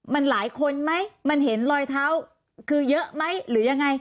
มันหลายคนไหมมันเห็นรอยเท้าคือเยอะไหมหรือยังไง